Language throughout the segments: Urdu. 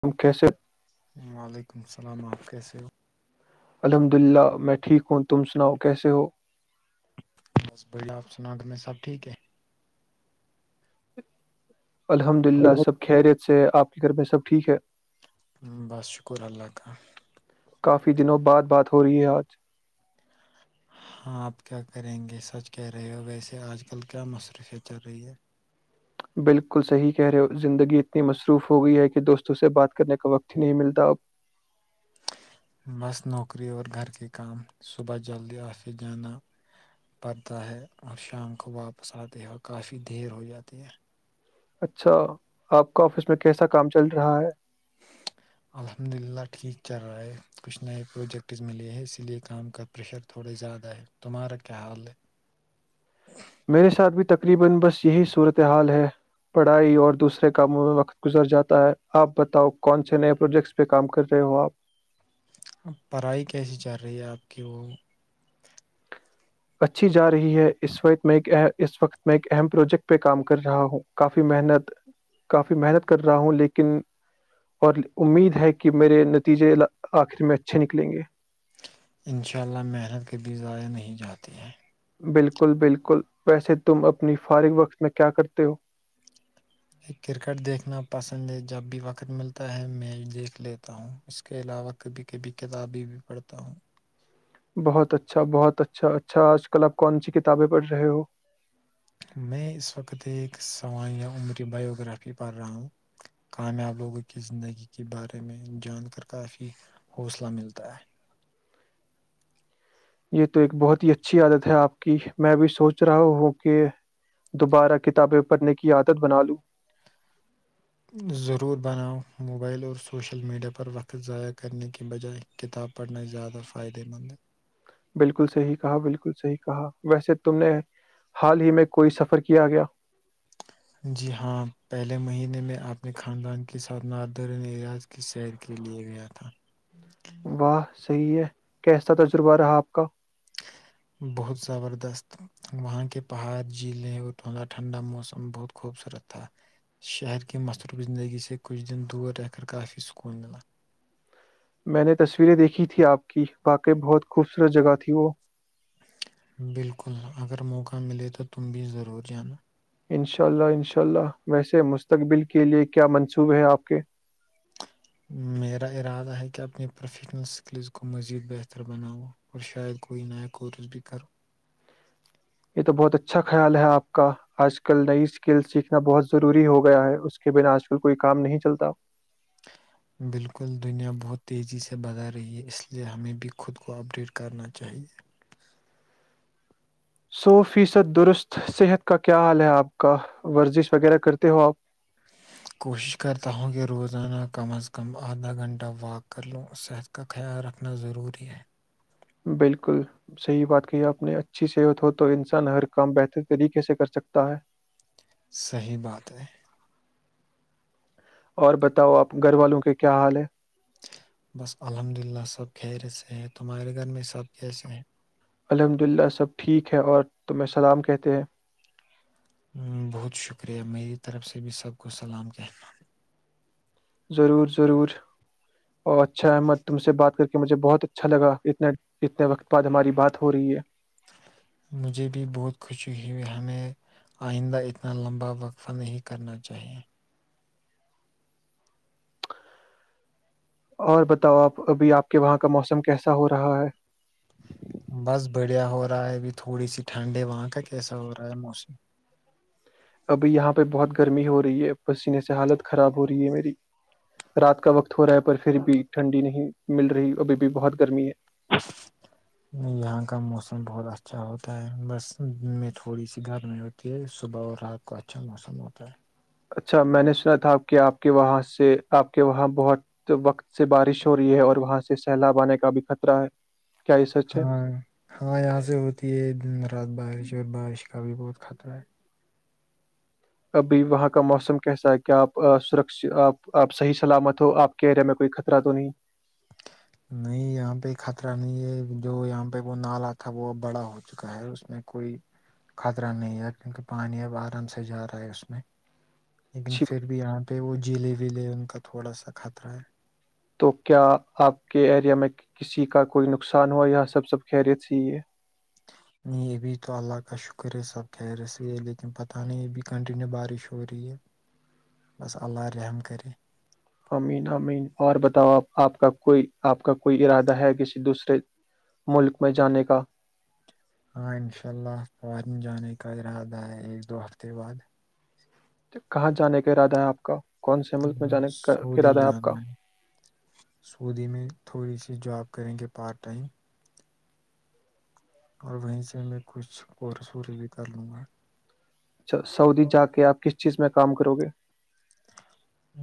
تم کیسے [unintelligible] وعلیکم السلام آپ کیسے ہو الحمد للہ میں ٹھیک ہوں تم سناؤ کیسے ہو بس بلہ آپ سنا تمیں سب ٹھیک ہے [unintelligible] الحمد للہ سب کہرے تھ سے آپ کے گھر میں سب ٹھیک ہے بس شکر اللہ کاال کافی دنوں بعد بات ہو رہی ہے آج ہاں آپ کیا کریں گے سچ کہہ رہے ہو ویسے آج کل کیا مصروفیں چل رہی ہے بالکل صحیح کہہ رہے ہو زندگی اتنی مصروف ہو گئی ہے کہ دوستوں سے بات کرنے کا وقت ہی نہیں ملتا اب بس نوکری اور گھر کے کام صبح جلدی آفس جانا پڑتا ہے اور شام کو واپس آتے ہیں اور کافی دیر ہو جاتے ہیں اچھا آپ کا آفس میں کیسا کام چل رہا ہے [unintelligible] الحمد للہ ٹھیک چل رہا ہے کچھ نئے پروجیکٹز ملے ہیں اسی لئے کام کا پریشر تھوڑے زیادہ ہے تمہارا کیا حال ہے [unintelligible] میرے ساتھ بھی تقریبا بس یہی صورتحال ہے پڑھائی اور دوسرے کاموں میں وقت گزر جاتا ہے آپ بتاؤ کون سے نئے پروجیکٹس پہ کام کر رہے ہو آپ اب پڑھائی کیسی چل رہی ہے آپ کی وہ اچھی جا رہی ہے اس وقت میں ایک اس وقت میں ایک اہم پروجیکٹ پہ کام کر رہا ہوں کافی محنت کافی محنت کر رہا ہوں لیکن اور امید ہے کہ میرے نتیجے آخر میں اچھے نکلیں گے انشاءلہ محنت کے بھی ضائع نہیں جاتی ہیں بالکل بالکل ویسے تم اپنی فارغ وقت میں کیا کرتے ہو کرکٹ دیکھنا پسند ہے جب بھی وقت ملتا ہے میں دیکھ لیتا ہوں اس کے علاوہ کبھی کبھی کتابیں بھی پڑھتا ہوں بہت اچھا بہت اچھا اچھا آج کل آپ کون سی کتابیں پڑھ رہے ہو میں اس وقت ایک سوانحیا عمری بائیوگرافی پڑھ رہا ہوں کامیاب لوگوں کی زندگی کے بارے میں جان کر کافی حوصلہ ملتا ہے یہ تو ایک بہت ہی اچھی عادت ہے آپ کی میں بھی سوچ رہا ہوں کہ دوبارہ کتابیں پڑھنے کی عادت بنا لوں ضرور بناؤ موبائل اور سوشل میڈیا پر وقت ضائع کرنے کی بجائے کتاب پڑھنا زیادہ فائدہ مند بالکل صحیح کہا بالکل صحیح کہا ویسے تم نے حال ہی میں کوئی سفر کیا گیا [unintelligible] جی ہاں پہلے مہینے میں اپنے خاندان کے ساتھ ناردرن ایریاض کی سیر کے لے گیا تھا واہ صحیح ہے کیسا تجربہ رہا آپ کا [unintelligible] بہت زبردست وہاں کے پہاڑ جھیلیں اور توا ٹھنڈا موسم بہت خوبصورت تھا شہر کی مصروف زندگی سے کچھ دن دور رہ کر کافی سکون ملا [unintelligible] میں نے تصویریں دیکھی تھی آپ کی واقعی بہت خوبصورت جگہ تھی وہ بالکل اگر موق [unintelligible] ملے تو تم بھی ضرور جانا [unintelligible] انشاء اللہ انشاء اللہ ویسے مستقبل کے لیئے کیا منصوب ہے آپ کے [unintelligible] میرا ارادہ ہے کہ اپنی پروفیشنل اسکلز کو مزید بہتر بناؤ اور شاید کوئی نیا کورس بھی کرو یہ تو بہت اچھا خیال ہے آپ کا آج کل نئی اسکل سیکھنا بہت ضروری ہو گیا ہے اس کے بنا آج کل کوئی کام نہیں چلتا بالکل دنیا بہت تیزی سے بدل رہی ہے اس لیے ہمیں بھی خود کو اپ ڈیٹ کرنا چاہیئے سو فیصد درست صحت کا کیا حال ہے آپ کا ورزش وغیرہ کرتے ہو آپ کوشش کرتا ہوں کہ روزانہ کم از کم آدھا گھنٹہ واک کر لوں صحت کا خیال رکھنا ضروری ہے بالکل صحیح بات کہیے اپنی اچھی صحت ہو تو انسان ہر کام بہتر طریقے سے کرسکتا ہے صحیح بات ہے اور بتاؤ آپ گھر والوں کے کیا حال ہے بس الحمد للہ سب خیر سےے ہیں تمہارے گھر میں سب کیسے ہیں الحمد للہ سب ٹھیک ہے اور تمیں سلام کہتے ہیں بہت شکریہ میری طرف سے بھی سب کو سلام کہ ضرور ضرور اور اچھا احمد تم سے بات کر کے مجھے بہت اچھا لگا اتنے اتنے وقت بعد ہماری بات ہو رہی ہے [unintelligible] مجھے بھی بہت خوشی ہوئی ہمیں آئندہ اتنا لمبا وقفہ نہیں کرنا چاہئے اور بتاؤ آپ ابھی آپ کے وہاں کا موسم کیسا ہو رہا ہے بس بڑھیا ہو رہا ہے ابھی تھوڑی سی ٹھنڈ ہے وہاں کا کیسا ہو رہا ہے موسم ابھی یہاں پہ بہت گرمی ہو رہی ہے پسینے سے حالت خراب ہو رہی ہے میری رات کا وقت ہو رہا ہے پر پھر بھی ٹھنڈی نہیں مل رہی ابھی بھی بہت گرمی ہے یہاں کا موسم بہت اچھا ہوتا ہے بس میں تھوڑی سی گرمی ہوتی ہے صبح اور رات کو اچھا موسم ہوتا ہے اچھا میں نے سنا تھا آپ کہ آپ کے وہاں سے آپ کے وہاں بہت وقت سے بارش ہو رہی ہے اور وہاں سے سیلاب آنے کا بھی خطرہ ہے کیا یہ سچ ہے ہاں ہاں یہاں سے ہوتی ہے دن رات بار [unintelligible] ید بارعش کا بھی بہت خطرہ ہے [unintelligible] ابھی وہاں کا موسم کیسا ہے کیا آپ سرپ آپ صحیح سلامت ہو آپ کے ایریا میں کوئی خطرہ تو نہیں نہیں یہاں پہ خطرہ نہیں ہے جو یہاں پہ وہ نالا تھا وہ ا بڑا ہو چکا ہے اس میں کوئی خطرہ نہیں ہے کیونکہ پانی اب آرام سے جا رہا ہے اس میں لیکن اچھی پھر بھی یہاں [unintelligible] پہ وہ جیلے ویلے ان کا تھوڑا سا خطرہ ہے [unintelligible] تو کیا آپ کے ایریا میں کسی کا کوئی نقصان ہوا سب سب خیریت سے ہیی ہے [unintelligible] نہیں ابھی تو اللہ کا شکر ہے سب کہ رہےس ہے لیکن پتہ نہیں ابھی کنٹینیو بارش ہو رہی ہے بس اللہ رحم کرے امین امین اور بتاؤ آپ آپ کا کوئی آپ کا کوئی ارادہ ہے کسی دوسرے ملک میں جانے کا ہاں انشاء اللہ فورن جانے کا ارادہ ہے ایک دو ہفتے بعد کہاں جانے کا ارادہ ہے آپ کا کون سے ملک میں ہ جانے کا سعودی ارادہ آپ جانا کا ہے سعودی میں [unintelligible] تھوڑی سی جاب کریں گے پارٹ ٹائم [unintelligible] اور وہیں سے میں کچھ کور سور بھی کر لوں گا اچھا سعودی جا کے آپ کس چیز میں کام کرو گے ہ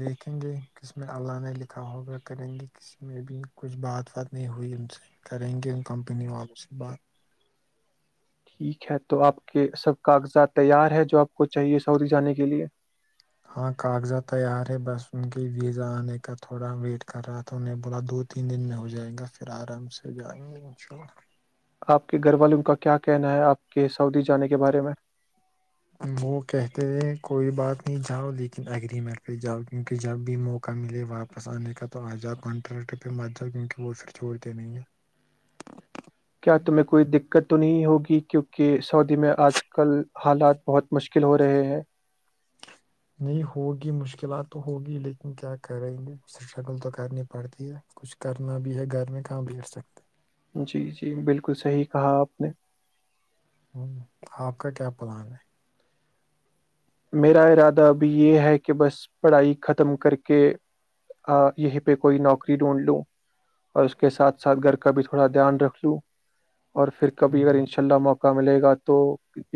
دیکھیں گے کس میں اللہ نے لکھا ہوگا کریں گے کسی میں بھی کچھ بات وات نہیں ہوئی ان سے کریں گے ان کمپنی وپ سے بات ٹھیک ہے تو آپ کے سب کاغذات تیار ہے جو آپ کو چاہیے سعودی جانے کے لیے ہاں کاغذات تیار ہے بس ان کے ویزا آنے کا تھوڑا ویٹ کر رہا تھا ان نے بولا دو تین دن میں ہو جائے گا پھر آرام سے جائیں گے انشاءلہ آپ کے گھر والوں کا کیا کہنا ہے آپ کے سعودی جانے کے بارے میں وہ کہتے ہیں کوئی بات نہیں جاؤ لیکن اگریمنٹ پہ جاؤ کیونکہ جب بھی موقع ملے واپس آنے کا تو آ جاؤ کانٹریکٹ پہ مت جاؤ کیونکہ وہ پھر چھوڑتے نہیں ہیں کیا تمہیں کوئی دقت تو نہیں ہوگی کیونکہ سعودی میں آج کل حالات بہت مشکل ہو رہے ہیں نہیں ہوگی مشکلات تو ہوگی لیکن کیا کریں گے اسٹرگل تو کرنی پڑتی ہے کچھ کرنا بھی ہے گھر میں کہاں بیٹ سکتے جی جی بالکل صحیح کہا آپ نے ہ آپ کا کیا پلان ہے میرا ارادہ ابھی یہ ہے کہ بس پڑھائی ختم کر کے یہیں پہ کوئی نوکری ڈھونڈ لوں اور اس کے ساتھ ساتھ گھر کا بھی تھوڑا دھیان رکھ لوں اور پھر کبھی اگر ہوں، ان شاء اللہ موقع ملے گا تو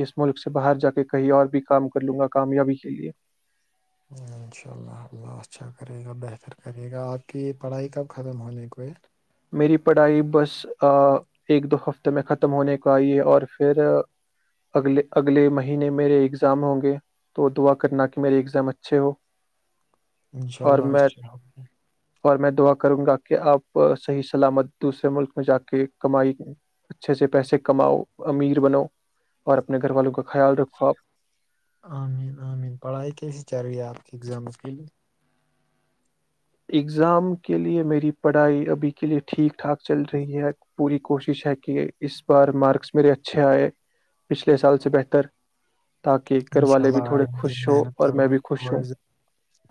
اس ملک سے باہر جا کے کہیں اور بھی کام کر لوں گا کامیابی کے لیے انشاء اللہ اللہ اچھا کرے گا بہتر کرے گا آپ کی پڑھائی کب ختم ہونے کو یہ میری پڑھائی بس ایک دو ہفتے میں ختم ہونے کو آئی ہے اور پھر اگلے اگلے مہینے میرے اگزام ہوں گے تو دعا کرنا کہ میرے اگزام اچھے ہو انشاء اور اللہ میں اچھا حظ اور میں دعا کروں گا کہ آپ صحیح سلامت دوسرے ملک میں جا کے کمائی اچھے سے پیسے کماؤ امیر بنو اور اپنے گھر والوں کا خیال رکھو آپ عامین عامین پڑھائی کیسی کیا رہی ہے آپ کے ایگزام اس کے لیے اگزام کے لیے میری پڑھائی ابھی کے لیئے ٹھیک ٹھاک چل رہی ہے پوری کوشش ہے کہ اس بار مارکس میرے اچھے آئے پچھلے سال سے بہتر تاکہ گھر انشاء والے بھی اللہ تھوڑے آمی خوش ہو محنت اور میں کروں بھی خوش تھوڑا ہوں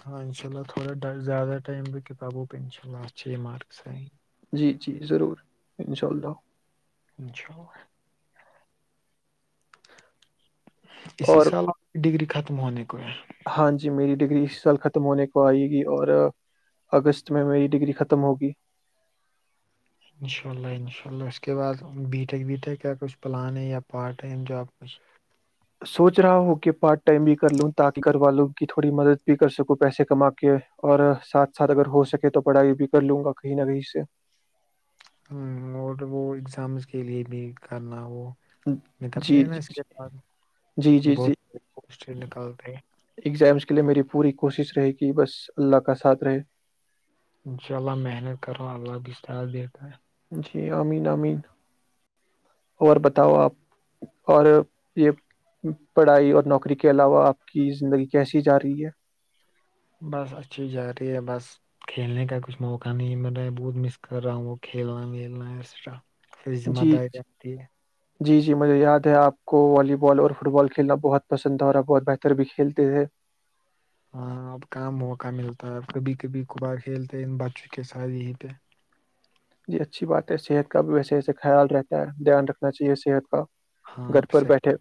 ہاں انشاء اللہ تھوڑا زیادہ اامم ب کتاوں پہ انشاء اللہ اسھ مارکسیح جی جی ضرور انشاء اللہ اشاءلہ اسی اور سال آپ ڈگری ختم ہونے کوے ہاں جی میری ڈگری اسی سال ختم ہونے کو آئے گی اور اگست میں میری ڈگری ختم ہوگی انشاء اللہ انشاء اللہ اس کے بعد بی ٹیک بی ٹیک کا کچھ پلان ہے یا پارٹ ٹائم جاب کچھ سوچ رہا ہو کہ پارٹ ٹائم بھی کر لوں تاکہ گھر والوں کی تھوڑی مدد بھی کر سکوں پیسے کما کے اور ساتھ ساتھ اگر ہو سکے تو پڑھائی بھی کر لوں گا کہیں نہ کہیں سے ہ اور وہ اگزامس کے لیے بھی کرنا وہ نتتے جی ہیں ن اس جی کے بعد جی جی جی بہت پسٹ نکالتے ہیں ایگزامس کے لیے میری پوری کوشش رہے کہ بس اللہ کا ساتھ رہے انشاء اللہ محنت کرو اللہ گشت آ بار جی امین امین اور بتاؤ آپ اور یہ پڑھائی اور نوکری کے علاوہ آپ کی زندگی کیسی جا رہی ہے بس اچھی جا رہی ہے بس کھیلنے کا کچھ موقع نہیں ما بہت مس کر رہا ہوں وہ کھیلنا ویلنا ایکسٹرا پھر ذمہ جی داری رہتی ہے جی جی مجھے یاد ہے آپ کو والی بال اور فٹ بال کھیلنا بہت پسند تھا اور آپ بہت بہتر بھی کھیلتے تھے ہاں اب کام موقع ملتا ہے کبھی کبھی کبار کھیلتے ہیں ان بچوں کے ساتھ یہیں پہ جی اچھی بات ہے صحت کا بھی ویسے ویسے خیال رہتا ہے دھیان رکھنا چاہیے صحت کا ہاں گھر پر بیٹھے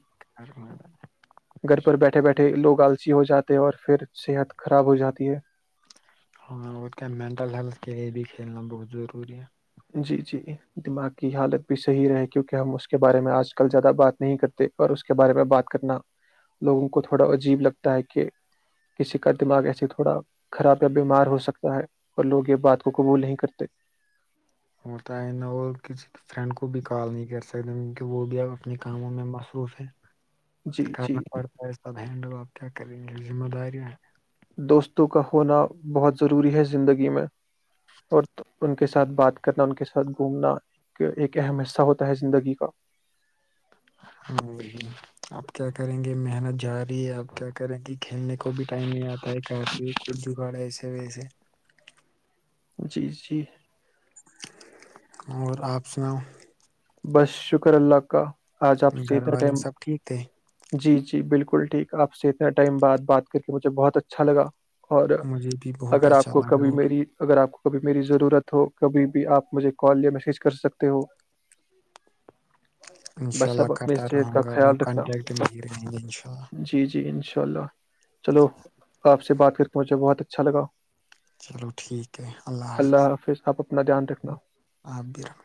گھر پر بیٹھے بیٹھے لوگ آلسی ہو جاتے ہیں اور پھر صحت خراب ہو جاتی ہے ہاں اس کا مینٹل ہیلتھ کے لیے بھی کھیلنا بہت ضروری ہے جی جی دماغ کی حالت بھی صحیح رہے کیونکہ ہم اس کے بارے میں آج کل زیادہ بات نہیں کرتے اور اس کے بارے میں بات کرنا لوگوں کو تھوڑا عجیب لگتا ہے کہ کسی کا دماغ ایسے تھوڑا خراب یا بیمار ہو سکتا ہے اور لوگ یہ بات کو قبول نہیں کرتے ہوتا ہے نہ وہ کسی فرینڈ کو بھی کال نہیں کر سکتے کیکہ وہ بھی اپنے کاموں میں مصروف ہے جی کرنا جی پڑتا ہے س ہینڈ پب کیا کریں یہ ذمہ دارییاں دوستوں کا ہونا بہت ضروری ہے زندگی میں اور ان کے ساتھ بات کرنا ان کے ساتھ گھومنا ایک اہم حصہ ہوتا ہے زندگی کا ہ اپ کیا کریں گے محنت جا رہی ہے اب کیا کریں گے کھیلنے کو بھی ٹائم نہیں آتا ہے کای ک جگاڑ ایسے ویسے جی جی اور آپ سناؤ بس شکر اللہ کا آج آپ سیھ گھر والے ٹم سب ٹھیک تھے جی جی بالکل بالکل ٹھیک آپ سے اتنا ٹائم بعد بات کر کے مجھے بہت اچھا لا اور مجھے بھی بہت اگر آپ اچھا کو لگا کبھی اور میری اگر آپ کبھی میری ضرورت ہو کبھی بھی آپ مجھے کال یا میسج کر سکتے ہو انشاء بس اللہ آپ اپنی کرتا صحت رہوں کا گا خیال رکھنا کانٹیکٹ میں ہی رہیں گے انشاء اللہ ان شاء اللہ چلو آپ سے بات کر پہنچے بہت اچھا لگا چلو ٹھیک ہے اللہ حافظ آپ اپنا دھیان رکھنا آپ رحم